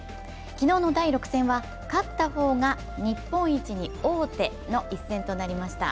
昨日の第６戦は勝った方が日本一に王手の一戦となりました。